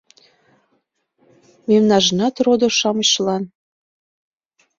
Мемнанжынат родо-шамычшылан